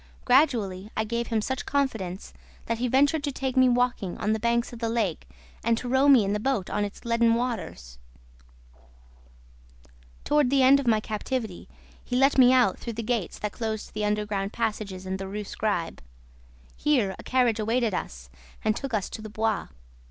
Gradually, I gave him such confidence that he ventured to take me walking on the banks of the lake and to row me in the boat on its leaden waters; toward the end of my captivity he let me out through the gates that closed the underground passages in the Rue Scribe. Here a carriage awaited us and took us to the Bois.